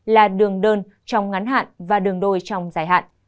là đường đơn trong ngắn hạn và đường đôi trong dài hạn